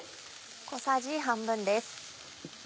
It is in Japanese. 小さじ半分です。